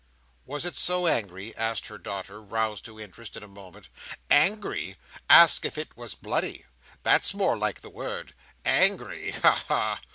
"Was it so angry?" asked her daughter, roused to interest in a moment. "Angry? ask if it was bloody. That's more like the word. Angry? Ha, ha!